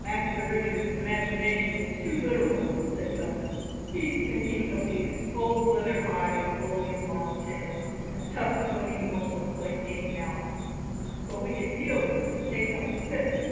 "Master Richard's imagination is too literal," said Bowman; "he's thinking of the old leather hide of William Lonsdale, and tough bony morsels like Jane Mallet; but we could peel them and take out the pips."